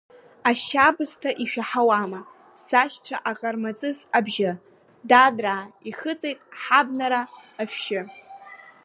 Ашьабысҭа ишәаҳауама, сашьцәа, Аҟармаҵыс абжьы, дадраа, ихыҵит ҳабнара ашәшьы…